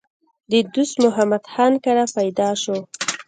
د دوست محمد خان کره پېدا شو